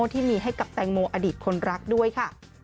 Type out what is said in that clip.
ที่มีให้กับแตงโมอดีตคนรักด้วยค่ะ